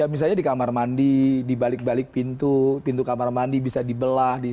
misalnya di kamar mandi di balik balik pintu pintu kamar mandi bisa dibelah